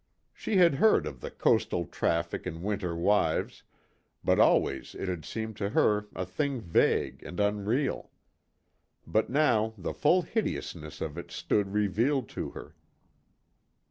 She had heard of the coastal traffic in winter wives, but always it had seemed to her a thing vague and unreal. But now the full hideousness of it stood revealed to her.